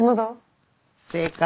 正解！